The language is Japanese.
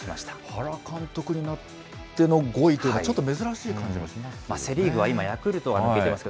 原監督になっての５位というのはちょっと珍しい感じがします